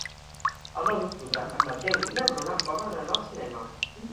El nou d'octubre en Mateu i na Bruna volen anar al cinema.